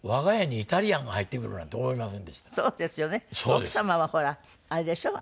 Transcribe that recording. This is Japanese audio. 奥様はほらあれでしょ？